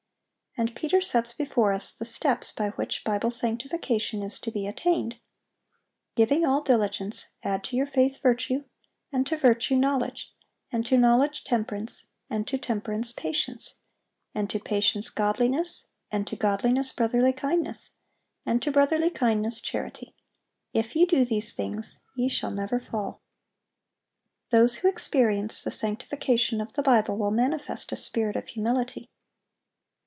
(801) And Peter sets before us the steps by which Bible sanctification is to be attained: "Giving all diligence, add to your faith virtue; and to virtue knowledge; and to knowledge temperance; and to temperance patience; and to patience godliness; and to godliness brotherly kindness; and to brotherly kindness charity.... If ye do these things, ye shall never fall."(802) Those who experience the sanctification of the Bible will manifest a spirit of humility.